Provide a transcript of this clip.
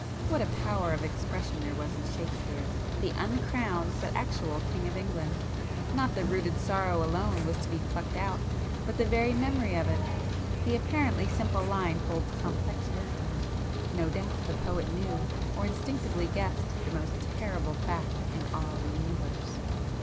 What a power of expression there was in Shakespeare, the uncrowned but actual King of England! Not the 'rooted sorrow' alone was to be 'plucked out' but the very 'memory' of it. The apparently simple line holds complex wisdom; no doubt the poet knew, or instinctively guessed the most terrible fact in all the Universe